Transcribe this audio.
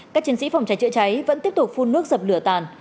các chiến sĩ phong chạy chạy cháy vẫn tiếp tục phun nước dập lửa tàn